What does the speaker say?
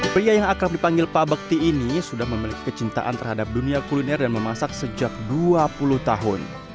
pria yang akrab dipanggil pak bekti ini sudah memiliki kecintaan terhadap dunia kuliner dan memasak sejak dua puluh tahun